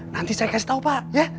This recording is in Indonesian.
nanti saya kasih tahu pak ya